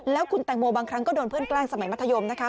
แล้วคุณแตงโมบางครั้งก็โดนเพื่อนแกล้งสมัยมัธยมนะคะ